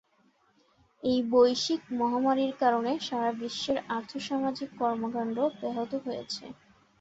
এই বৈশ্বিক মহামারীর কারণে সারা বিশ্বের আর্থ-সামাজিক কর্মকাণ্ড ব্যাহত হয়েছে।